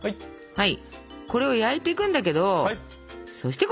はい！